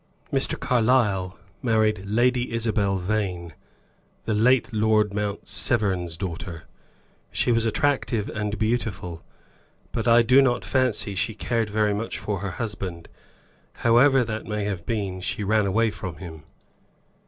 "Mr. Carlyle married Lady Isabel Vane, the late Lord Mount Severn's daughter. She was attractive and beautiful, but I do not fancy she cared very much for her husband. However that may have been, she ran away from him."